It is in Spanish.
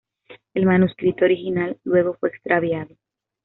El manuscrito original luego fue extraviado.